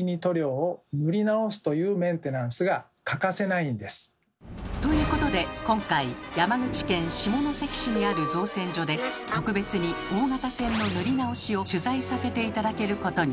なのでということで今回山口県下関市にある造船所で特別に大型船の塗り直しを取材させて頂けることに。